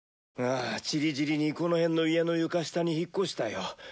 ああ散り散りにこの辺の家の床下に引っ越したよ。